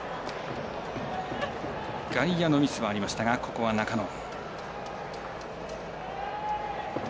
外野のミスはありましたがここは中野。